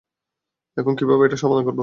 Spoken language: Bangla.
এখন কীভাবে এটার সমাধান করব?